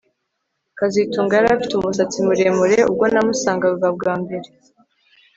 kazitunga yari afite umusatsi muremure ubwo namusangaga bwa mbere